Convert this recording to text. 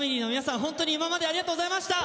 本当に今までありがとうございました！